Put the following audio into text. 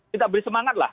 kita beri semangatlah